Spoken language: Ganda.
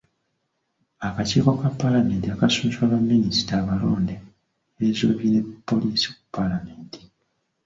Akakiiko ka Paalamenti akasunsula baminisita abalonde keezoobye ne poliisi ku paalamenti.